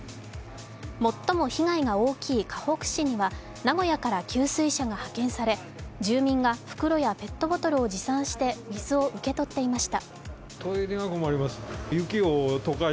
最も被害が大きいかほく市には名古屋から給水車が派遣され、住民が袋やペットボトルを持参して水を受け取っていました。